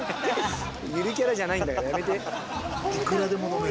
ゆるキャラじゃないんだからやめて。